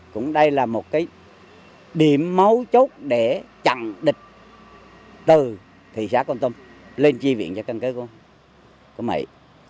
cũng đây là một cái điểm máu chốt để chặn địch từ thị xã con tum lên chi viện cho căn cứ của mỹ